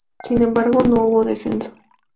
Sin embargo no hubo descenso.